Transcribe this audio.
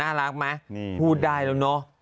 รักไหมพูดได้แล้วเนอะ